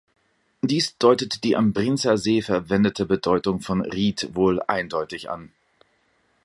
Dies deutet die am Brienzersee verwendete Bedeutung von "Ried" wohl eindeutig an.